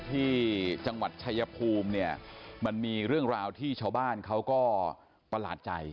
ที่จังหวัดชายภูมิเนี่ยมันมีเรื่องราวที่ชาวบ้านเขาก็ประหลาดใจ